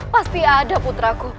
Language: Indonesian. pasti ada putraku